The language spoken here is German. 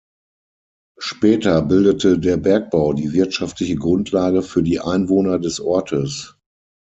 Später bildete der Bergbau die wirtschaftliche Grundlage für die Einwohner des Ortes.